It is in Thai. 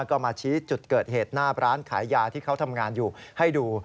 ก็มาชี้จุดเกิดเหตุหน้าร้านขายยาที่เขาทำงานอยู่ให้ดู